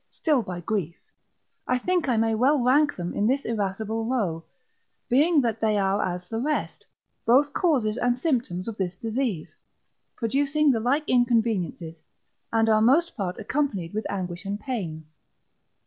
still by grief, I think I may well rank them in this irascible row; being that they are as the rest, both causes and symptoms of this disease, producing the like inconveniences, and are most part accompanied with anguish and pain.